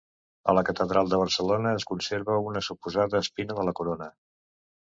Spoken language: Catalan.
A la Catedral de Barcelona es conserva una suposada espina de la corona.